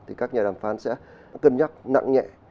thì các nhà đàm phán sẽ cân nhắc nặng nhẹ